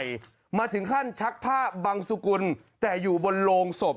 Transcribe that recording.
มาถึงขั้นชักผ้าบังสุกุลแต่อยู่บนโลงศพ